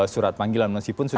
surat panggilan masih pun sudah